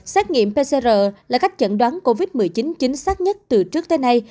xét nghiệm pcr là cách chẩn đoán covid một mươi chín chính xác nhất từ trước tới nay